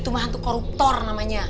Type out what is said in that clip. cuma hantu koruptor namanya